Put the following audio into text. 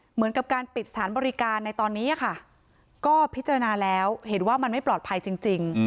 เหมือนกับการปิดสถานบริการในตอนนี้ค่ะก็พิจารณาแล้วเห็นว่ามันไม่ปลอดภัยจริง